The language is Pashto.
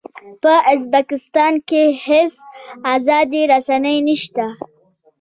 په ازبکستان کې هېڅ ازادې رسنۍ نه شته.